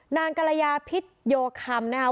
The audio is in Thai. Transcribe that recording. นางกะระยาพิษโยคำนะครับ